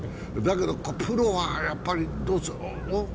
だけど、プロはやっぱり、どうする？